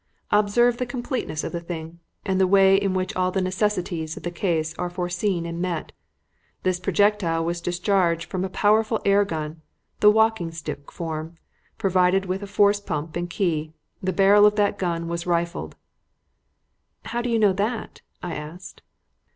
Observe the completeness of the thing, and the way in which all the necessities of the case are foreseen and met. This projectile was discharged from a powerful air gun the walking stick form provided with a force pump and key. The barrel of that gun was rifled." "How do you know that?" I asked.